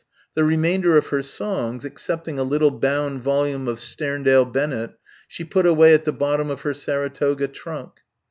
The remainder of her songs, excepting a little bound volume of Sterndale Bennett, she put away at the bottom of her Saratoga trunk.